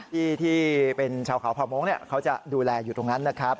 ที่เป็นชาวเขาเผ่าโม้งเขาจะดูแลอยู่ตรงนั้นนะครับ